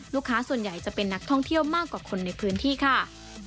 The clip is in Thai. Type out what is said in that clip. ลูกค้าส่วนใหญ่จะเป็นนักท่องเที่ยวมากกว่าคนในพื้นที่ค่ะ